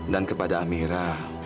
dan kepada amira